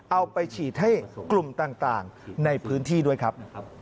เอาไปฉีดให้กลุ่มต่างในพื้นที่ด้วยครับ